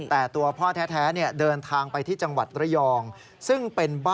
แต่ตัวพ่อแท้เดินทางไปที่จังหวัดระยอง